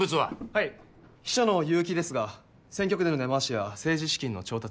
はい秘書の結城ですが選挙区での根回しや政治資金の調達